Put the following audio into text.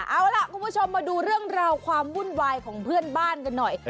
เอาล่ะคุณผู้ชมมาดูเรื่องราวความวุ่นวายของเพื่อนบ้านกันหน่อย